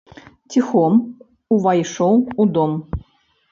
Ціхом увайшоў у дом.